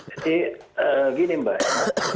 jadi gini mbak